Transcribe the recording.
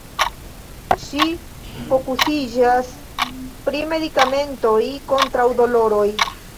Ŝi fokusiĝas pri medikamentoj kontraŭ doloroj.